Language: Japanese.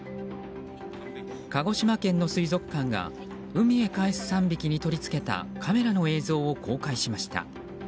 鹿児島県の水族館が海へ帰す３匹に取り付けたカメラの映像を公開しました。